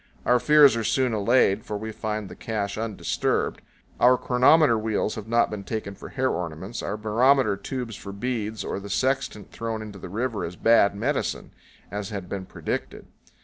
Our fears are soon allayed, for we find the cache undisturbed. Our chronometer wheels have not been taken for hair ornaments, our barometer tubes for beads, or the sextant thrown into the river as "bad medicine," as had been predicted.